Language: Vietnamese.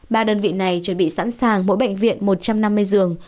ba đơn vị này chuẩn bị sẵn sàng mỗi bệnh viện một trăm năm mươi giường